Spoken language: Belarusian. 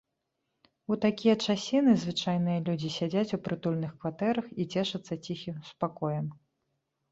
У такія часіны звычайныя людзі сядзяць у прытульных кватэрах і цешацца ціхім спакоем.